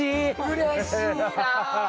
うれしいなあ！